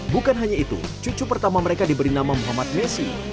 bukan hanya itu cucu pertama mereka diberi nama muhammad messi